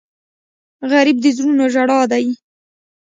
غریب د زړونو ژړا دی